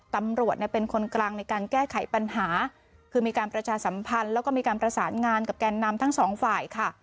ตำรวจเนี่ยเป็นคนกลางในการแก้ไขปัญหาคือมีการประชาสัมพันธ์แล้วก็มีการประสานงานกับแกนนำทั้งสองฝ่ายค่ะ